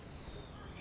え？